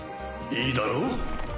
いいだろ？